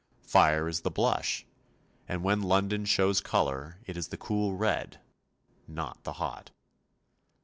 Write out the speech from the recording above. Fire is the blush, and when London shows colour it is the cool red, not the hot.